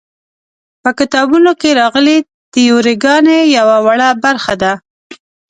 په کتابونو کې راغلې تیوري ګانې یوه وړه برخه ده.